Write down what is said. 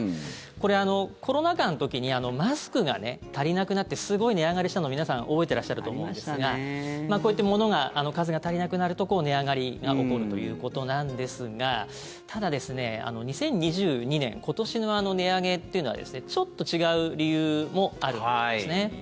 これ、コロナ禍の時にマスクが足りなくなってすごい値上がりしたの、皆さん覚えてらっしゃると思うんですがこういったものが、数が足りなくなると値上がりが起こるということなんですがただ、２０２２年今年の値上げというのはちょっと違う理由もあるということですね。